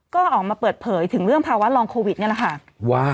ก็ออกมาเปิดเผยถึงเรื่องภาวะลองโควิดนี่แหละค่ะ